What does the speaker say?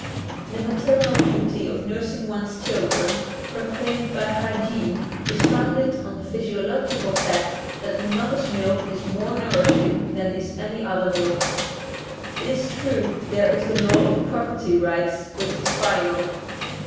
The maternal duty of nursing one's children proclaimed by hygiene is founded on the physiological fact that the mother's milk is more nourishing than is any other milk. It is true there is the law of property rights which is final.